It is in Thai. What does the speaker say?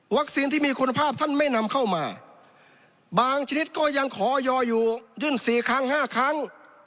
ที่มีคุณภาพท่านไม่นำเข้ามาบางชนิดก็ยังขอยออยู่ยื่น๔ครั้ง๕ครั้ง